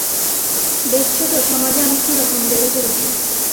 দেখছ তো সমাজে আমি কি রকম বেড়ে চলেছি।